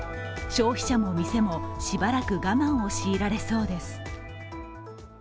消費者も店もしばらく我慢を強いられそうです。